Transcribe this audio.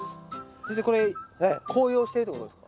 先生これ紅葉してるってことですか？